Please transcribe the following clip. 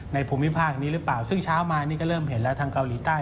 ภูมิภาคนี้หรือเปล่าซึ่งเช้ามานี่ก็เริ่มเห็นแล้วทางเกาหลีใต้